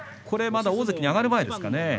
これは大関に上がる前ですかね？